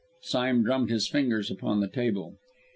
Sime drummed his fingers upon the table.